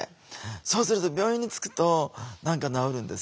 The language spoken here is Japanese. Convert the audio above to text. そうすると病院に着くと何か治るんですよね。